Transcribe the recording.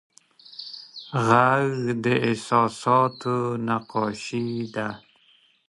غږ د احساساتو نقاشي ده